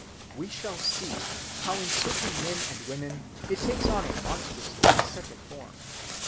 (21) We shall see how in certain men and women it takes on a monstrously ascetic form.